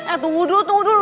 eh tunggu dulu tunggu dulu